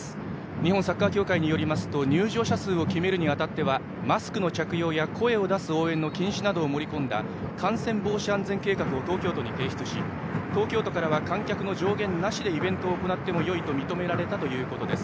日本サッカー協会によりますと入場者数を決めるにあたってはマスクの着用や声を出す応援の禁止などを盛り込んだ感染防止安全計画を東京都に提出し東京都からは観客の上限なしにイベントを行ってもよいと認められたということです。